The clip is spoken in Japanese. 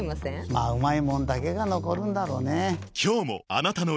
まぁうまいもんだけが残るんだろうねぇ。